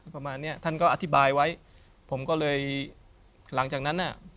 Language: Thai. ประมาณเนี้ยท่านก็อธิบายไว้ผมก็เลยหลังจากนั้นน่ะ